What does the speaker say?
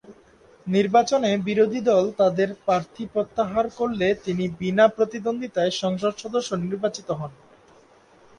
নির্বাচনে বিরোধী দল তাদের প্রার্থী প্রত্যাহার করলে তিনি বিনা প্রতিদ্বন্দ্বিতায় সংসদ সদস্য নির্বাচিত হন।